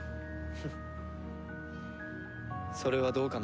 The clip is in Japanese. それはどうかな。